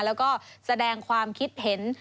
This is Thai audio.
แล้วก็แสดงความคิดเห็น